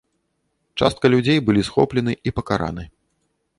Частка людзей былі схоплены і пакараны.